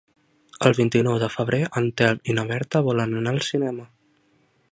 El vint-i-nou de febrer en Telm i na Berta volen anar al cinema.